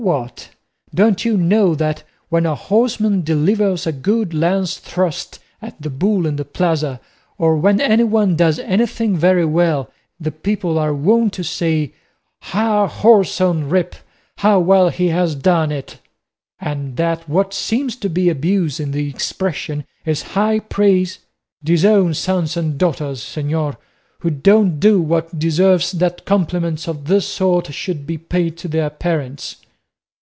"What! don't you know that when a horseman delivers a good lance thrust at the bull in the plaza, or when anyone does anything very well, the people are wont to say, 'Ha, whoreson rip! how well he has done it!' and that what seems to be abuse in the expression is high praise? Disown sons and daughters, señor, who don't do what deserves that compliments of this sort should be paid to their parents."